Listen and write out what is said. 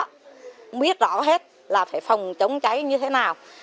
không biết rõ hết là phải phòng chống cháy như thế nào